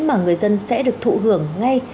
mà người dân sẽ được thụ hưởng ngay